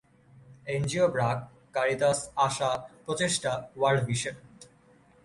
NGO BRAC, Caritas, ASA, Prochesta, World vision.